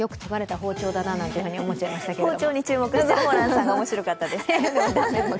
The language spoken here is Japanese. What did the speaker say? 包丁に注目していたホランさんが面白かったです。